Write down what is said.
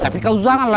tapi kau jangan lah